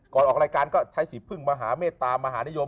ก่อนออกรายการใช้ศรีผึ่งมหาเมตตามหานิยม